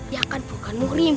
ya kan bukan muring